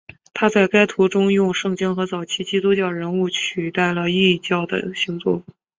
他在该图中用圣经和早期基督徒人物取代了异教的星座。